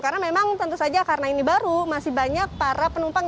karena memang tentu saja karena ini baru masih banyak para penumpang